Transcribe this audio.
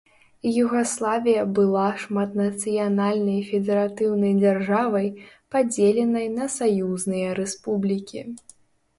Югаславія была шматнацыянальнай федэратыўнай дзяржавай, падзеленай на саюзныя рэспублікі.